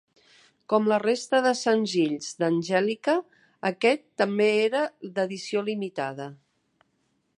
Com la resta de senzills d'Angelica, aquest també era d'edició limitada.